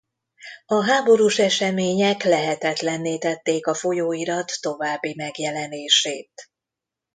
A háborús események lehetetlenné tették a folyóirat további megjelenését.